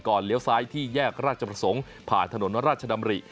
เลี้ยวซ้ายที่แยกราชประสงค์ผ่านถนนราชดำริ